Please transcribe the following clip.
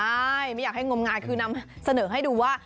ใช่ไม่อยากให้งมงายคือนำเสนอให้ดูว่า